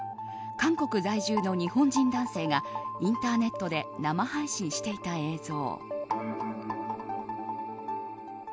韓国在住の日本人男性がインターネットで生配信していた映像。